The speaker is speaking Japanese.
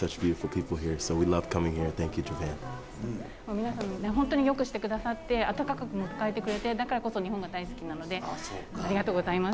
皆さん、本当によくしてくださって、温かく迎えてくれて、だからこそ日本が大好きなので、ありがとうございます。